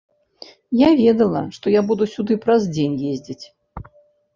Я ведала, што я буду сюды праз дзень ездзіць.